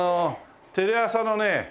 テレ朝のね